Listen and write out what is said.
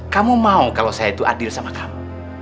kamu mau kalau saya itu adil sama kamu